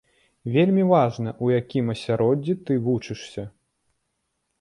Вельмі важна, у якім асяроддзі ты вучышся.